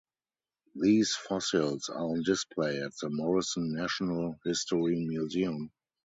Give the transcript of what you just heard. These fossils are on display at the Morrison Natural History Museum.